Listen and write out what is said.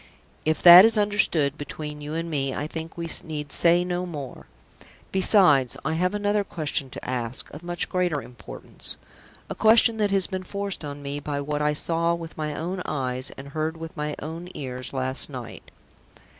If that is understood between you and me, I think we need say no more. Besides, I have another question to ask, of much greater importance a question that has been forced on me by what I saw with my own eyes, and heard with my own ears, last night."